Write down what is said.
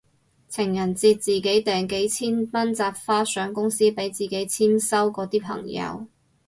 情人節自己訂幾千蚊紮花上公司俾自己簽收嗰啲朋友